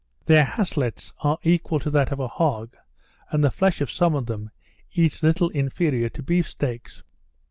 Their haslets are equal to that of a hog, and the flesh of some of them eats little inferior to beef steaks.